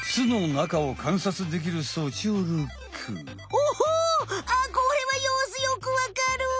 おああこれはようすよくわかる！